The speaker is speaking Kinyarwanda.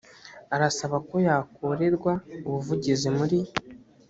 arasaba ko yakorerwa ubuvugizi muri